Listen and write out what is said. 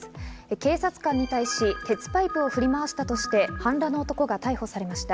警察官に対し鉄パイプを振り回したとして半裸の男が逮捕されました。